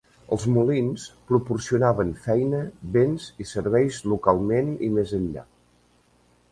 Els molins proporcionaven feina, béns i serveis localment i més enllà.